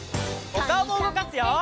おかおもうごかすよ！